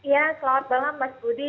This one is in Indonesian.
ya selamat malam mas budi